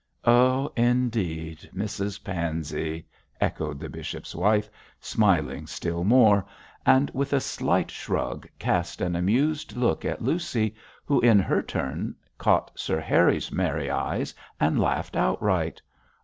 'Oh, indeed! Mrs Pansey!' echoed the bishop's wife, smiling still more; and with a slight shrug cast an amused look at Lucy, who in her turn caught Sir Harry's merry eyes and laughed outright.